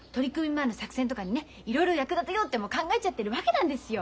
前の作戦とかにねいろいろ役立てようって考えちゃってるわけなんですよ。